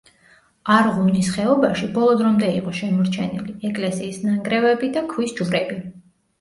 არღუნის ხეობაში ბოლო დრომდე იყო შემორჩენილი, ეკლესიის ნანგრევები და ქვის ჯვრები.